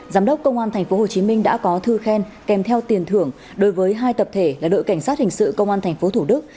giám đốc công an tp hcm đã có thư khen kèm theo tiền thưởng đối với hai tập thể là đội cảnh sát hình sự công an tp thủ đức